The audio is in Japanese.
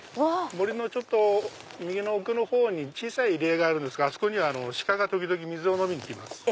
森の右の奥の方に小さい入り江があるんですがあそこにはシカが時々水を飲みに来ます。